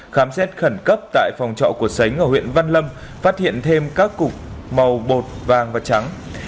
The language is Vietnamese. khám xét khẩn cấp tại phòng trọ của sánh ở huyện văn lâm phát hiện thêm các cục màu bột vàng và trắng